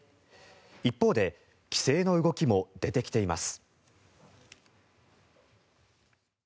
一方で規制の動きも出てきています。